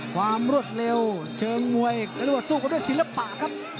ความรวดเร็วเชิงมวยจะเรียกว่าสู้กันด้วยศิลปะครับ